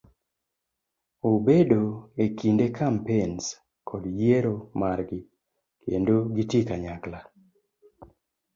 Obedo ekinde kampens kod yiero margi kendo gitii kanyakla.